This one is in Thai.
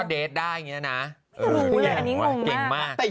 อินดีคิดว่าเขาหลับไปแล้ว